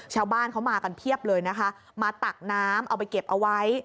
ชาวบ้านเขามากันเพียบเลยนะคะมาตักน้ำเอาไปเก็บเอาไว้